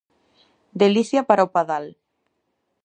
Delicia para o padal.